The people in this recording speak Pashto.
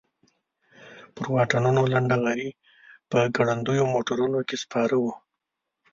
پر واټونو لنډه غري په ګړندیو موټرونو کې سپاره وو.